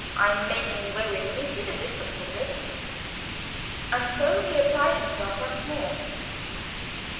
I'm making way with him; he sees a difference already." And so he applied himself once more.